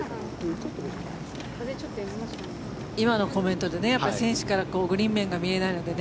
今のコメントで選手からグリーン面が見えないのでね。